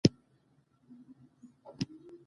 پښتو زموږ ملي او تاریخي ژبه ده.